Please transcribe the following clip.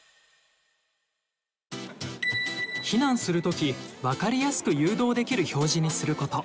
避難する時わかりやすく誘導できる表示にすること。